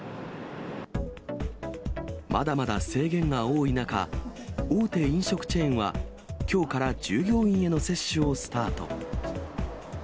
まだまだ制限が多い中、大手飲食チェーンは、きょうから従業員への接種をスタート。